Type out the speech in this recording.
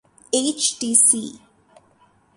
H T C